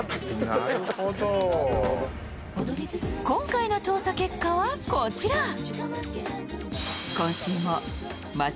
今回の調査結果はこちら。